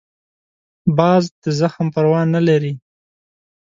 باز د زخم پروا نه لري